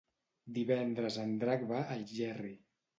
Divendres en Drac va a Algerri.